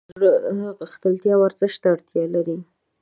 د زړه غښتلتیا ورزش ته اړتیا لري.